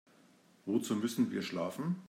Wozu müssen wir schlafen?